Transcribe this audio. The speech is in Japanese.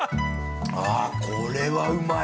◆あっ、これはうまい。